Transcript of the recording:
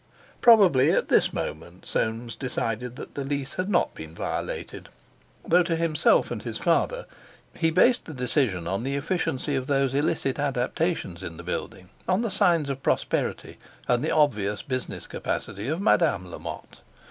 Probably at this moment Soames decided that the lease had not been violated; though to himself and his father he based the decision on the efficiency of those illicit adaptations in the building, on the signs of prosperity, and the obvious business capacity of Madame Lamotte.